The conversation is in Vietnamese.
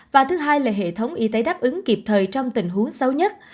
và thứ hai là hệ thống y tế đáp ứng kịp thời trong tình huống xấu nhất